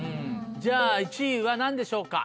じゃあ１位は何でしょうか？